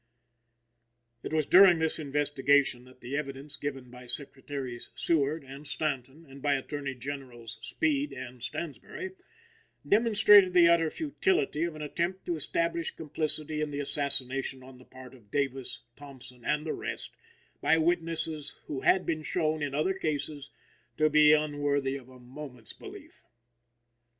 It was during this investigation that the evidence given by Secretaries Seward and Stanton and by Attorney Generals Speed and Stansbery, demonstrated the utter futility of an attempt to establish complicity in the assassination on the part of Davis, Thompson and the rest, by witnesses who had been shown, in other cases, to be unworthy of a moment's belief.